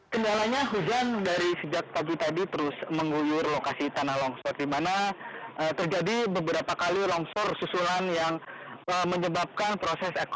kendalanya hujan dari sejak pagi tadi terus mengguyur lokasi tanah longsor